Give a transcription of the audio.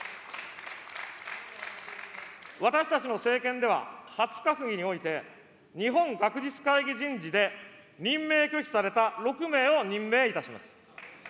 私たちの政権では、初閣議において、日本学術会議人事で任命拒否された６名を任命いたします。